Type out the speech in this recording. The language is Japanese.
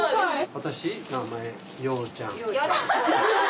私名前洋ちゃん。